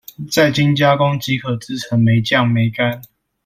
再經加工即可製成梅醬、梅乾